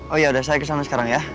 oh ya udah saya kesana sekarang ya